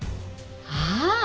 ああ！